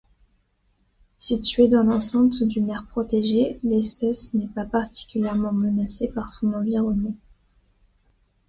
Située dans l'enceinte d'une aire protégée, l'espèce n'est pas particulièrement menacée par son environnement.